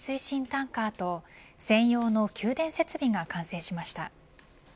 タンカーと専用の給電設備が完成しました。